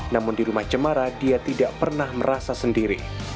namun di rumah cemara dia tidak pernah merasa sendiri